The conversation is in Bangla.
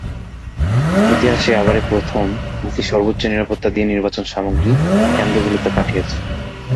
ইতিহাসে এবারই প্রথম ইসি সর্বোচ্চ নিরাপত্তা দিয়ে নির্বাচন সামগ্রী কেন্দ্রগুলোতে পাঠিয়েছে।